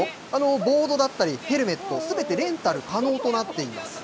ボードだったり、ヘルメット、すべてレンタル可能となっています。